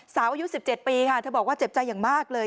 อายุ๑๗ปีค่ะเธอบอกว่าเจ็บใจอย่างมากเลย